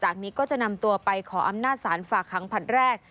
จากนี้ก็จะนำตัวไปขออำนาจสารฝากครั้งพันแรก